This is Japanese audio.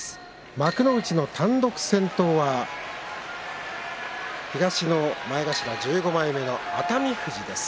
幕内の単独先頭は東の前頭１５枚目、熱海富士です。